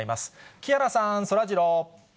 木原さん、そらジロー。